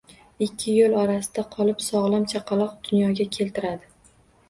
Ikki yoʻl orasida qolib, sogʻlom chaqaloq dunyoga keltiradi